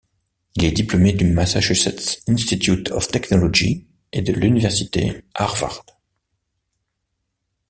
Il est diplômé du Massachusetts Institute of Technology et de l'université Harvard.